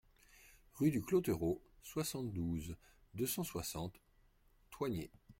un rue du Clotereau, soixante-douze, deux cent soixante, Thoigné